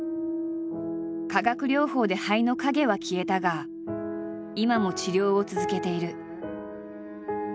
化学療法で肺の影は消えたが今も治療を続けている。